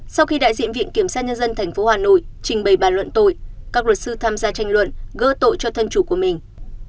sau khi đại diện viện kiểm sát nhân dân tp hà nội trình bày bàn luận tội các luật sư tham gia tranh luận gỡ tội cho thân chủ của mình